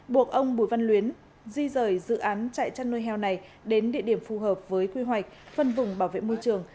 buộc ông bùi văn luyến di rời dự án chạy chăn nuôi heo này đến địa điểm phù hợp với quy hoạch phân vùng bảo vệ môi trường